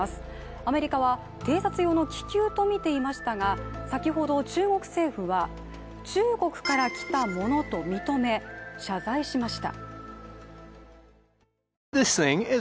アメリカは、偵察用の気球とみていましたが、先ほど、中国政府は中国から来たものと認め謝罪しました。